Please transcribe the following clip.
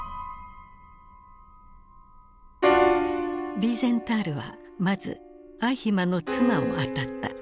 ヴィーゼンタールはまずアイヒマンの妻を当たった。